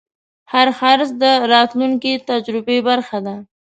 هر خرڅ د راتلونکي تجربې برخه ده.